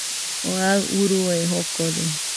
Oo aɨ urue jokode